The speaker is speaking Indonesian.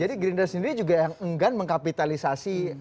jadi gredenberg sendiri juga yang enggan mengkapitalisasi